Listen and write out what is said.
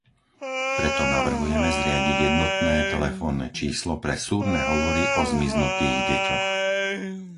Preto navrhujeme zriadiť jednotné telefónne číslo pre súrne hovory o zmiznutých deťoch.